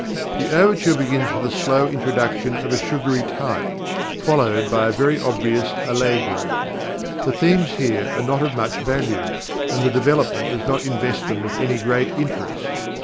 The overture begins with a slow introduction of a sugary type, followed by a very obvious allegro. The themes here are not of much value, and the development does not invest them with any great interest.